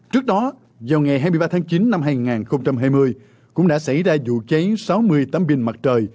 trước đó vào ngày hai mươi ba tháng chín năm hai nghìn hai mươi cũng đã xảy ra vụ cháy sáu mươi tấm pin mặt trời